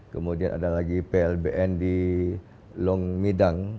kemudian ada lagi plbn di long midang